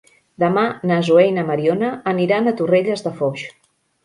Demà na Zoè i na Mariona aniran a Torrelles de Foix.